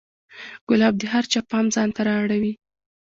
ګلاب د هر چا پام ځان ته را اړوي.